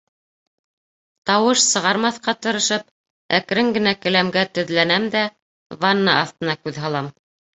Тауыш сығармаҫҡа тырышып, әкрен генә келәмгә теҙләнәм дә, ванна аҫтына күҙ һалам.